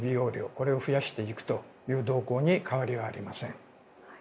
これを増やしていくという動向に変わりはありません。